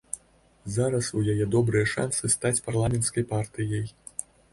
Зараз у яе добрыя шансы стаць парламенцкай партыяй.